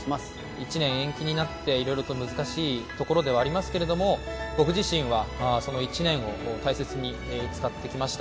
１年延期になって、いろいろと難しいところではありますけれども、僕自身は、その１年を大切に使ってきました。